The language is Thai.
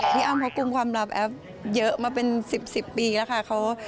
อ้ำเขากลุ่มความลับแอฟเยอะมาเป็น๑๐ปีแล้วค่ะ